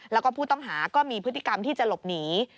แล้วก็ผู้ต้องหาก็มีพฤติกรรมที่จะหลบหนี